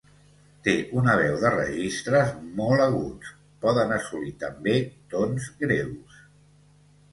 Té una veu de registres molt aguts, podent assolir també tons greus.